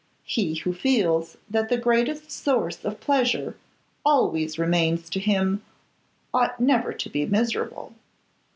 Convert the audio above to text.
He who feels that the greatest source of pleasure always remains to him ought never to be miserable.